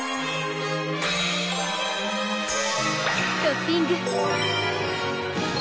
トッピング！